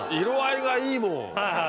色合いがいいもん。